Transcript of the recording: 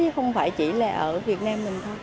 không phải chỉ là ở việt nam mình thôi